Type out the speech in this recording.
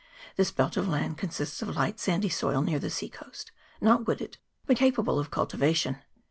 This belt of land consists of light sandy soil near the sea coast, not wooded, but capable of cultivation.